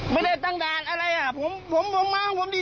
ไม่ได้ตั้งด่านอะไรอ่ะผมมาให้ผมดีอ่ะ